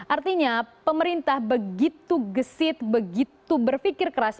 artinya pemerintah begitu gesit begitu berpikir keras